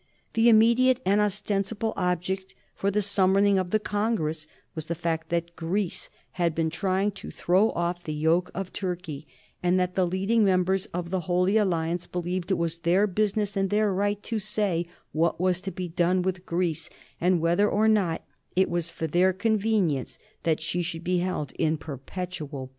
The immediate and ostensible object for the summoning of the Congress was the fact that Greece had been trying to throw off the yoke of Turkey, and that the leading members of the Holy Alliance believed it was their business and their right to say what was to be done with Greece, and whether or not it was for their convenience that she should be held in perpetual bondage.